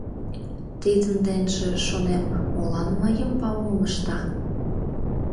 «Тидын денже, — шонем, — молан мыйым палымым ышта.